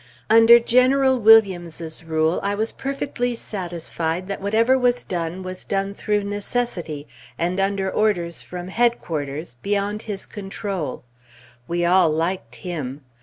Under General Williams's rule, I was perfectly satisfied that whatever was done, was done through necessity, and under orders from Headquarters, beyond his control; we all liked him.